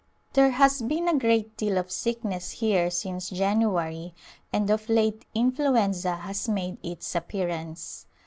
There as been a great deal of sickness here since January and of late influenza has made its appear ance.